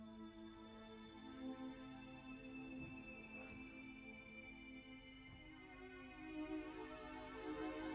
aku sudah berjalan